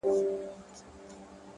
هره لاسته راوړنه له کوچني پیل زېږي.!